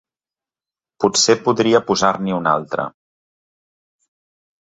Potser podria posar-n'hi una altra